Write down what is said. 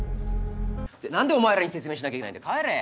って何でお前らに説明しなきゃいけないんだ帰れ！